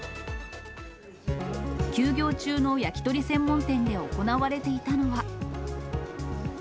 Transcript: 休業中の焼き鳥専門店で行われていたのは。